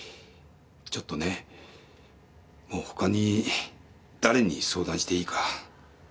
ちょっとねもう他に誰に相談していいかわからなくて。